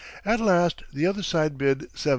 At last the other side bid $72,000.